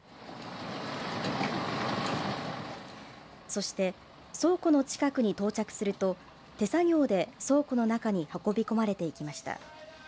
そして、倉庫の近くに到着すると手作業で倉庫の中に運び込まれていきました。